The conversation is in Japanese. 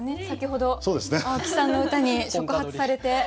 先ほど青木さんの歌に触発されて。